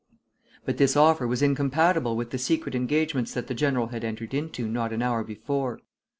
But this offer was incompatible with the secret engagements that the general had entered into not an hour before.